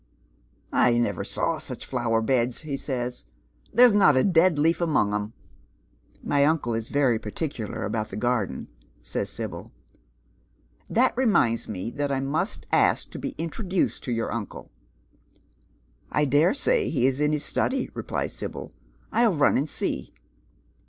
" I never saw such flower beds," he says ;" there's not a dead leaf among 'em." " My uncle is very particular about the garden," says Sibyl. *' That reminds me that I must ask to be introduced to your oncle." " I dare say he is in his study," replies Sibyl. " I'll run and see."